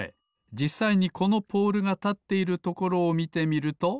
じっさいにこのポールがたっているところをみてみると。